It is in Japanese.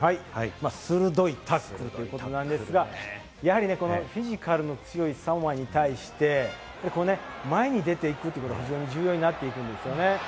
鋭いタックルということなんですが、やはりフィジカルの強いサモアに対して、前に出ていくということが非常に重要になっていくんですね。